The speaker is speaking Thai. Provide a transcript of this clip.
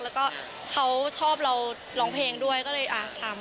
แล้วก็เขาชอบเราร้องเพลงด้วยก็เลยทำ